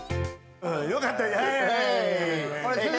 よかった。